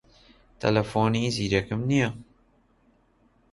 تەلەفۆنی زیرەکم نییە.